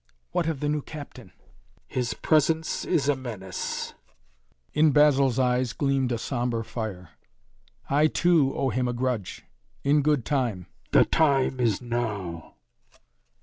"What of the new captain?" "His presence is a menace." In Basil's eyes gleamed a sombre fire. "I, too, owe him a grudge. In good time!" "The time is Now!"